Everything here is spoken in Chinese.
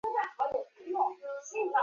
旁边的人在说买卖很好赚